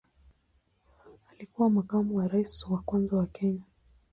Alikuwa makamu wa rais wa kwanza wa Kenya.